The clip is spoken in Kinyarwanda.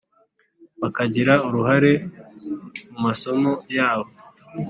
bakagira uruhare mu masomo yabo